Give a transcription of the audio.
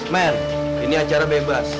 men ini acara bebas